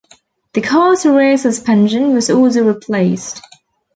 The car's rear suspension was also replaced.